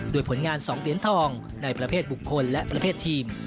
โดยผลงาน๒เหรียญทองในประเภทบุคคลและประเภททีม